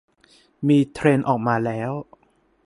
มีเทรนด์ออกมาแล้ว